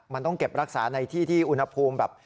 มันต้องเก็บรักษาในที่ที่อุณหภูมิแบบ